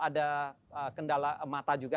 ada kendala mata juga